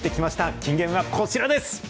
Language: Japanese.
金言はこちらです。